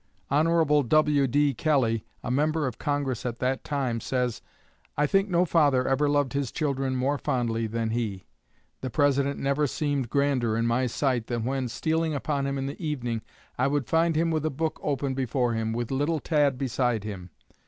Hon. W.D. Kelley, a member of Congress at that time, says: "I think no father ever loved his children more fondly than he. The President never seemed grander in my sight than when, stealing upon him in the evening, I would find him with a book open before him, with little Tad beside him.